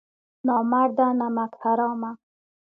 نامرده نمک حرامه!